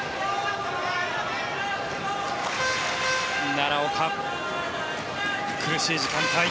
奈良岡、苦しい時間帯。